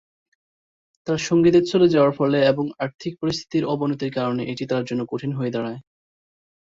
তার সঙ্গীদের চলে যাওয়ার ফলে এবং আর্থিক পরিস্থিতির অবনতির কারণে এটি তার জন্য কঠিন হয়ে দাঁড়ায়।